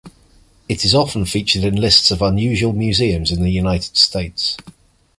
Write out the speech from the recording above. It is often featured in lists of unusual museums in the United States.